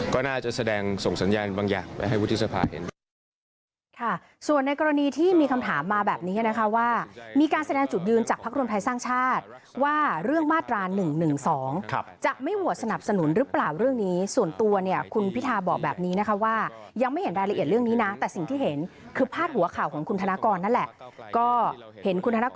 ก็น่าจะแสดงส่งสัญญาณบางอย่างไปให้วุฒิสภาเห็น